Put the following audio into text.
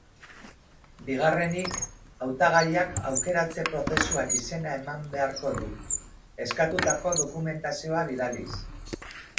Bigarrenik, hautagaiak aukeratze-prozesuan izena eman beharko du, eskatutako dokumentazioa bidaliz.